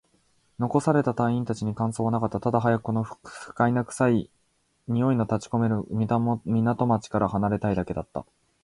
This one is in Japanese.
残された隊員達に感想はなかった。ただ、早くこの不快な臭いの立ち込める港町から離れたいだけだった。